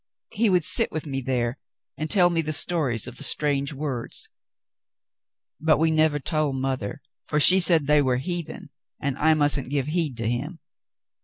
He would sit with me there and tell me the stories of the strange words ; but we never told mother, for she said they were heathen and I mustn't give heed to him."